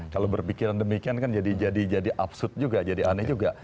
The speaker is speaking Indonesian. kalau berpikiran demikian kan jadi absud juga jadi aneh juga